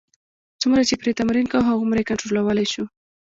څومره چې پرې تمرین کوو، هغومره یې کنټرولولای شو.